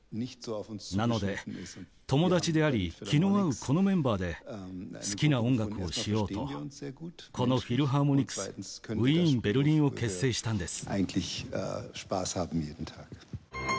なので友達であり気の合うこのメンバーで好きな音楽をしようとこのフィルハーモニクスウィーン＝ベルリンを結成したんです。